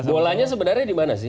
dolanya sebenarnya dimana sih